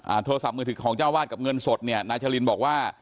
โทรศัพท์มือถือของเจ้าวาดกับเงินสดเนี่ยนายชะลินบอกว่า